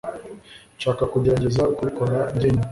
Nshaka kugerageza kubikora njyenyine.